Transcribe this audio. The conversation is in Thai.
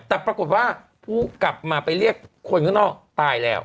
แต่ปรากฏว่าผู้กลับมาไปเรียกคนข้างนอกตายแล้ว